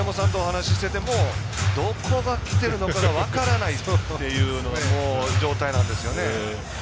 宮本さんと話しててもどこがきてるのかが分からないという状態なんですよね。